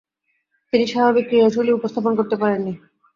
তিনি স্বাভাবিক ক্রীড়াশৈলী উপস্থাপন করতে পারেননি।